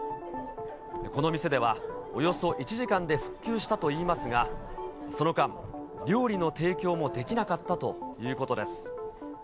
この店では、およそ１時間で復旧したといいますが、その間、料理の提供もできなかったということです。